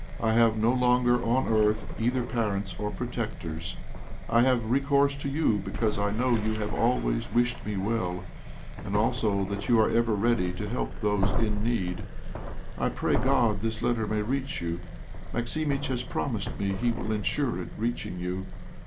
I have no longer on earth either parents or protectors. I have recourse to you, because I know you have always wished me well, and also that you are ever ready to help those in need. I pray God this letter may reach you. Maximitch has promised me he will ensure it reaching you.